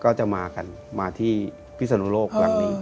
ก็จะมากันมาที่พิศนโลกหลังนี้